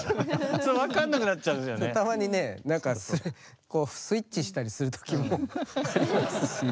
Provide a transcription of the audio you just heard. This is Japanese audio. そうたまにね何かこうスイッチしたりする時もありますし。